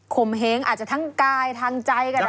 โขมเห็งอาจจะทั้งกายทางใจก็ได้นะครับ